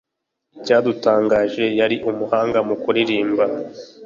Icyadutangaje, yari umuhanga mu kuririmba.